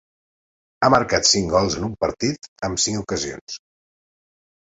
Ha marcat cinc gols en un partit amb cinc ocasions.